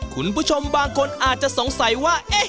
คุณผู้ชมบางคนอาจจะสงสัยว่า